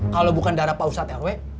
kalau bukan darah pak ustadz rw